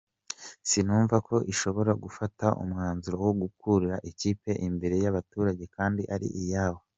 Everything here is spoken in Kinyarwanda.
Sinumva ko ishobora gufata umwanzuro wo gukura ikipe imbere y’abaturage kandi ari iyabo.